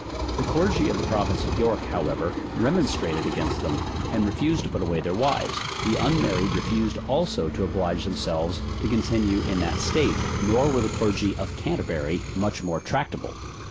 The clergy of the province of York, however, remonstrated against them, and refused to put away their wives; the unmarried refused also to oblige themselves to continue in that state; nor were the clergy of Canterbury much more tractable.